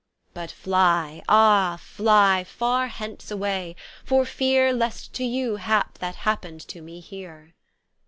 " But fly, ah ! fly far hence away, for feare Lest to you hap that happened to me heare."